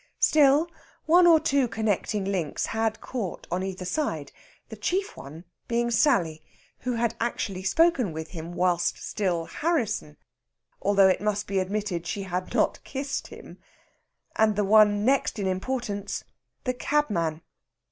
Still, one or two connecting links had caught on either side, the chief one being Sally, who had actually spoken with him whilst still Harrisson although it must be admitted she had not kissed him and the one next in importance, the cabman.